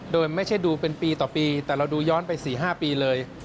โดยไม่ใช่ดูเป็นปีต่อปีแต่เราดูย้อนไป๔๕ปีเลย